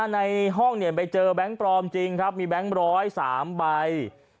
ในห้องเนี่ยไปเจอแบงค์ปลอมจริงครับมีแบงค์บร้อย๓ใบ